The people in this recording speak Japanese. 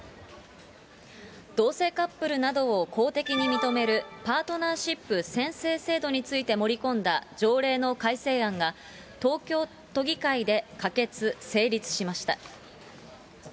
同性カップルなどを公的に認めるパートナーシップ宣誓制度について盛り込んだ条例の改正案が、東京都議会で可決・成立しました。